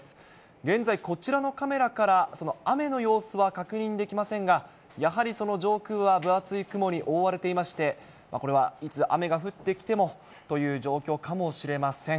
現在、こちらのカメラから雨の様子は確認できませんが、やはりその上空は分厚い雲に覆われていまして、これはいつ雨が降ってきてもという状況かもしれません。